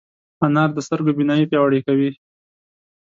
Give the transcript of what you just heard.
انار د سترګو بینايي پیاوړې کوي.